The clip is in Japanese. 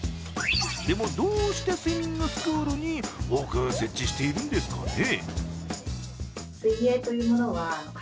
でも、どうしてスイミングスクールに多く設置しているんですかね？